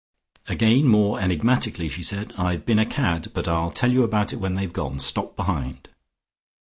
Again more enigmatically she said, "I've been a cad, but I'll tell you about it when they've gone. Stop behind."